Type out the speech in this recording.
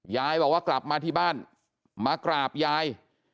ยายบอกว่ากลับมาที่บ้านมากราบยาย